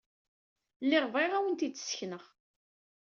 Lliɣ bɣiɣ ad awen-t-id-ssekneɣ.